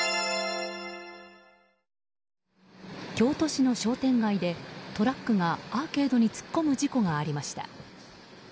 京都市の商店街で、トラックがアーケードに突っ込む事故がありました。